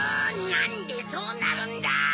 なんでそうなるんだ！